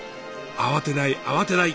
慌てない慌てない。